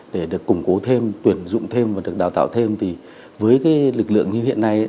để được củng cố thêm tuyển dụng thêm và được đào tạo thêm thì với cái lực lượng như hiện nay